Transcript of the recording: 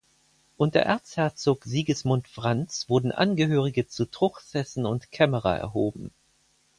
Unter Erzherzog Sigismund Franz wurden Angehörige zu Truchsessen und Kämmerer erhoben.